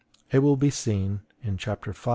It will be seen, in chapter V.